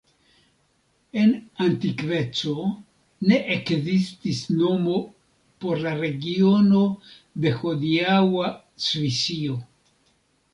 En antikveco ne ekzistis nomo por la regiono de hodiaŭa Svisio.